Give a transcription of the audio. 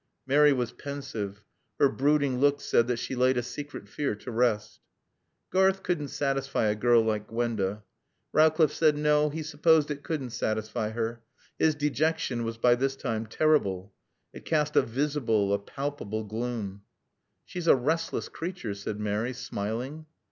Mary was pensive. Her brooding look said that she laid a secret fear to rest. "Garth couldn't satisfy a girl like Gwenda." Rowcliffe said no, he supposed it couldn't satisfy her. His dejection was by this time terrible. It cast a visible, a palpable gloom. "She's a restless creature," said Mary, smiling.